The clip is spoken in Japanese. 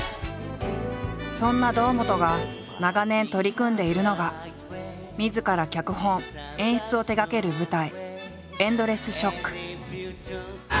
そんな堂本が長年取り組んでいるのがみずから脚本演出を手がける舞台